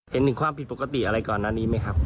เห็นถึงความผิดปกติอะไรก่อนหน้านี้ไหมครับ